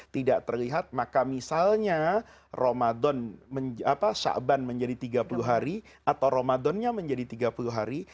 tidak terlihat maka misalnya ramadan syakban menjadi tiga puluh hari atau ramadannya menjadi tiga puluh hari